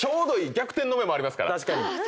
逆転の芽もありますから。